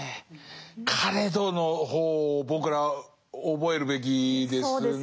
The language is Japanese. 「かれど」の方を僕ら覚えるべきですね。